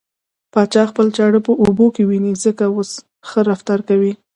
پاچا خپله چاړه په اوبو کې وينې ځکه اوس ښه رفتار کوي .